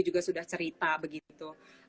juga sudah cerita begitu